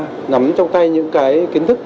và các chuyên gia ngắm trong tay những cái kiến thức